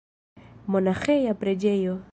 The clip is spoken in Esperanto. Monaĥeja preĝejo.